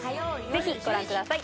ぜひご覧ください